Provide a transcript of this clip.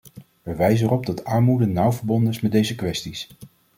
We wijzen erop dat armoede nauw verbonden is met deze kwesties.